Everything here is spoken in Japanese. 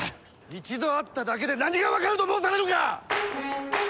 一度会っただけで何が分かると申されるか！